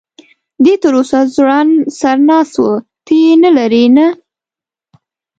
دی تراوسه ځوړند سر ناست و، ته یې نه لرې؟ نه.